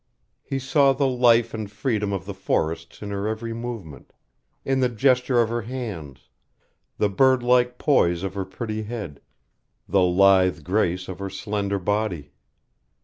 He saw the life and freedom of the forests in her every movement in the gesture of her hands, the bird like poise of her pretty head, the lithe grace of her slender body.